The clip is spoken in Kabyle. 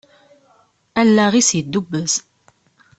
Allaɣ-is yeddubbez.